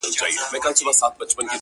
وځم له كوره له اولاده شپې نه كوم,